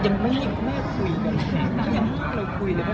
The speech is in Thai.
ยังไม่ไม่คุยกันยังห้ามเราคุยเลย